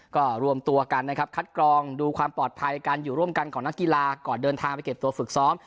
ก็รวมตัวกันนะครับคัดกรองดูความปลอดภัยการอยู่ร่วมกันของนักกีฬาก่อนเดินทางไปเก็บตัวฝึกซ้อม